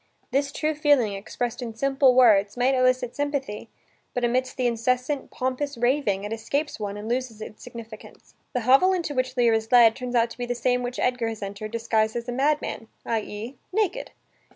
This true feeling, expressed in simple words, might elicit sympathy, but amidst the incessant, pompous raving it escapes one and loses its significance. The hovel into which Lear is led, turns out to be the same which Edgar has entered, disguised as a madman, i.e., naked.